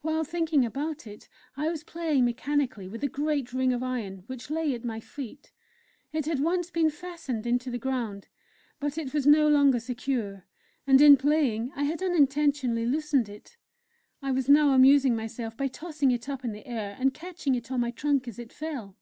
While thinking about it I was playing mechanically with a great ring of iron which lay at my feet. It had once been fastened into the ground, but it was no longer secure, and in playing I had unintentionally loosened it. I was now amusing myself by tossing it up in the air, and catching it on my trunk as it fell.